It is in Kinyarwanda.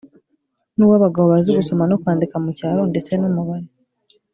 n uw abagabo bazi gusoma no kwandika mu cyaro ndetse n umubare